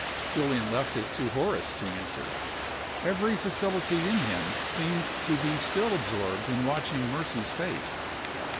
Julian left it to Horace to answer. Every facility in him seemed to be still absorbed in watching Mercy's face.